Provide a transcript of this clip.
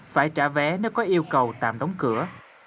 phải trả vé nếu có yêu cầu tạm đóng cửa